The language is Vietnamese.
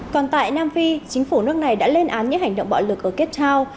còn tại nam phi chính phủ nước này đã lên án những hành động bạo lực ở cape town